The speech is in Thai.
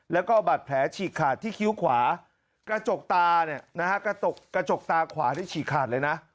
แล้วก็บาดแผลฉีกขาดที่คิ้วขวากระจกตาเนี่ยนะฮะกระจกตาขวานี่ฉีกขาดเลยนะ